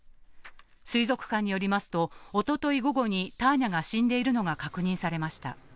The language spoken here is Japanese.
水族館によりますと、おととい午後にタアニャが死んでいるのが、確認されました。